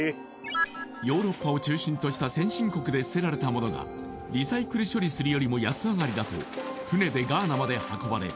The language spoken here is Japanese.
ヨーロッパを中心とした先進国で捨てられたものがリサイクル処理するよりも安上がりだと船でガーナまで運ばれ